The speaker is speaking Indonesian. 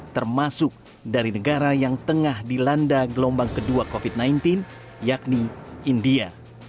termasuk dari negara yang tengah dilanda gelombang kedua covid sembilan belas yakni india